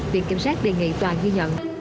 viện kiểm sát đề nghị tòa ghi nhận